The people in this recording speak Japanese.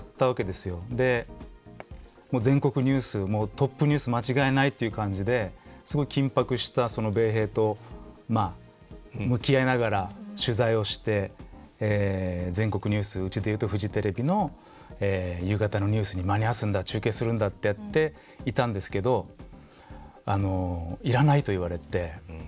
で全国ニューストップニュース間違いないっていう感じですごい緊迫したその米兵とまあ向き合いながら取材をして全国ニュースうちで言うとフジテレビの夕方のニュースに間に合わすんだ中継するんだってやっていたんですけど「いらない」と言われて。